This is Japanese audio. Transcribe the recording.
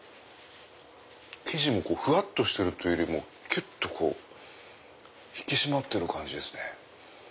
生地もふわっとしてるというよりもきゅっと引き締まってる感じですね。